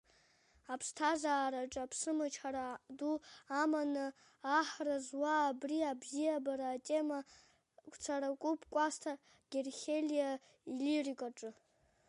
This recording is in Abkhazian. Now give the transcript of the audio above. Аԥсҭазаараҿы аԥсымчхара ду аманы аҳра зуа абри абзиабара атема гәцаракуп Кәасҭа Герхелиа илирикаҿы.